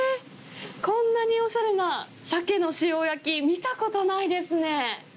こんなにおしゃれなサケの塩焼き、見たことないですね。